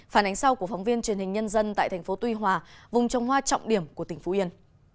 phản ánh sau của phóng viên truyền hình nhân dân tại thành phố tuy hòa vùng trồng hoa trọng điểm của tỉnh phú yên